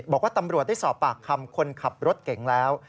บอกว่าตำรวจได้สอบปากคำคนขับรถเก่งแล้ว